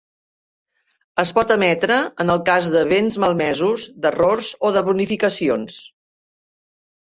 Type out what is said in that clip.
Es pot emetre en el cas de béns malmesos, d'errors o de bonificacions.